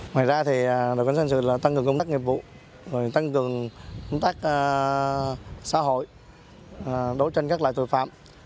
ngoài ra thì đồng hành xã hội tăng cường công tác nghiệp vụ tăng cường công tác xã hội đối tranh các loại tội phạm